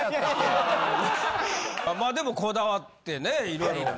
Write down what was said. まあでもこだわってねいろいろ。